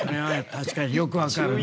確かによく分かるな。